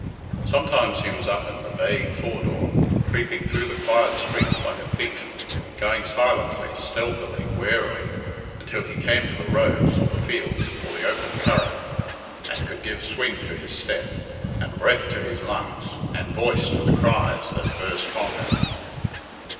Sometimes he was up in the vague fore dawn, creeping through the quiet streets like a thief, going silently, stealthily, warily, until he came to the roads, or the fields, or the open Curragh, and could give swing to his step, and breath to his lungs, and voice to the cries that hurst from him.